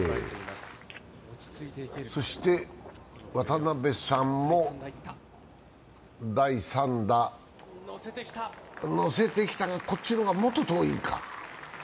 そして、渡邉さんも第３打、乗せてきたが、こっちのがもっと遠いか。